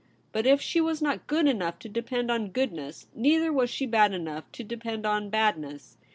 But if she was not good enough to depend on goodness, neither was she bad enough to depend on badness.